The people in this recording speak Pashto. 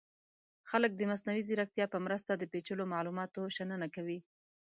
خلک د مصنوعي ځیرکتیا په مرسته د پیچلو معلوماتو شننه کوي.